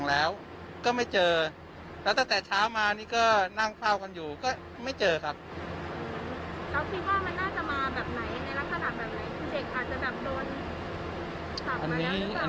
แฮวคือเมื่อเช้ามาด้านเขาเจอแบบไหน